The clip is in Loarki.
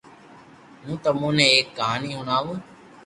ھون تمو ني ايڪ ڪہاني ھڻاو